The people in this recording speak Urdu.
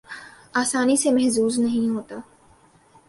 آسانی سے محظوظ نہیں ہوتا